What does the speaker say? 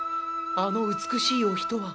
あの美しいお人は。